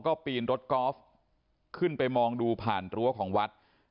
ก็ปีนรถกอล์ฟขึ้นไปมองดูผ่านรั้วของวัด